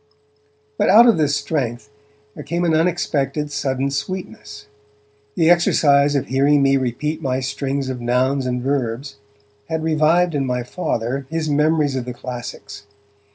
But out of this strength there came an unexpected sudden sweetness. The exercise of hearing me repeat my strings of nouns and verbs had revived in my Father his memories of the classics.